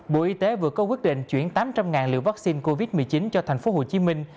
bộ y tế vừa có quyết định chuyển tám trăm linh liều vaccine covid một mươi chín cho thành phố hồ chí minh